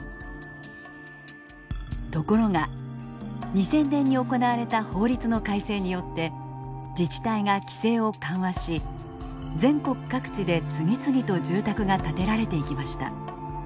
ところが２０００年に行われた法律の改正によって自治体が規制を緩和し全国各地で次々と住宅が建てられていきました。